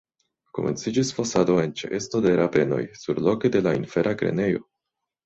Komenciĝis fosado en ĉeesto de rabenoj surloke de la infera grenejo.